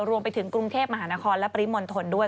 รวมไปถึงกรุงเทพมหานครและปริมณฑลด้วย